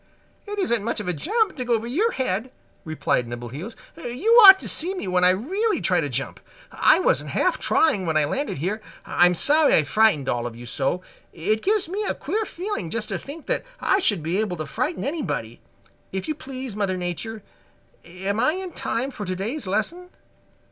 "It isn't much of a jump to go over your head," replied Nimbleheels. "You ought to see me when I really try to jump. I wasn't half trying when I landed here. I'm sorry I frightened all of you so. It gives me a queer feeling just to think that I should be able to frighten anybody. If you please, Mother Nature, am I in time for to day's lesson?"